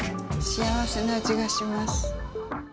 幸せなあじがします。